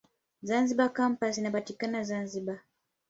Zanzibar Kampasi inapatikana Zanzibar.